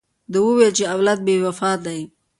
ده وویل چې اولاد بې وفا دی.